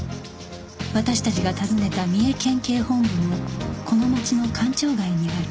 私たちが訪ねた三重県警本部もこの町の官庁街にある